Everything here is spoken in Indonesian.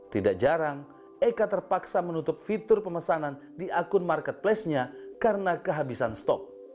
tidak jarang eka terpaksa menutup fitur pemesanan di akun marketplace nya karena kehabisan stok